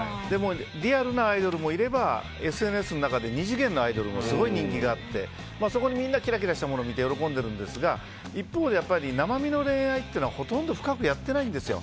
リアルなアイドルもいればＳＮＳの中で２次元のアイドルもすごい人気があってそこにみんな、キラキラしたものを見て喜んでいるんですが一方で生身の恋愛ってほとんど深くやってないんですよ。